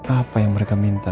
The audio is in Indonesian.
apa yang mereka minta